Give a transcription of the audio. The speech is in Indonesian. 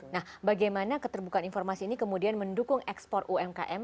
nah bagaimana keterbukaan informasi ini kemudian mendukung ekspor umkm